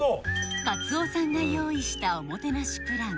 かつおさんが用意したおもてなしプラン